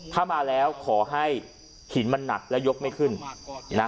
ถ้ามาแล้วขอให้หินมันหนักและยกไม่ขึ้นนะ